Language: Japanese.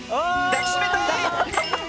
抱きしめたい！